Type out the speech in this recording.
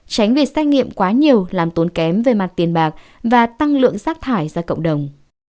tránh việc xét nghiệm quá nhiều làm tốn kém về mặt tiền bạc và tăng lượng rác thải ra cộng đồng